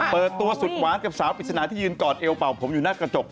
เปิดตัวสุดหวานกับสาวปริศนาที่ยืนกอดเอวเป่าผมอยู่หน้ากระจก